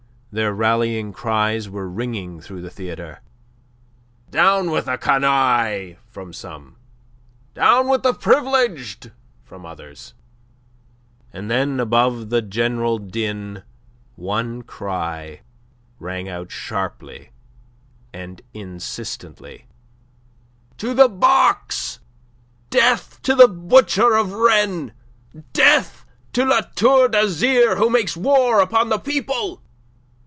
Their rallying cries were ringing through the theatre. "Down with the canaille!" from some. "Down with the privileged!" from others. And then above the general din one cry rang out sharply and insistently: "To the box! Death to the butcher of Rennes! Death to La Tour d'Azyr who makes war upon the people!"